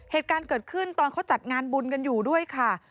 เหตุการณ์เกิดขึ้นตอนเขาจัดงานบุญกันอยู่ด้วยค่ะ